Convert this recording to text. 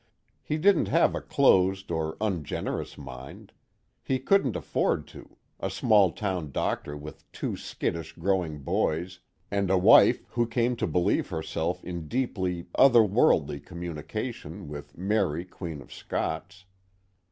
He didn't have a closed or ungenerous mind; he couldn't afford to, a small town doctor with two skittish growing boys and a wife who came to believe herself in deep other worldly communication with Mary Queen of Scots.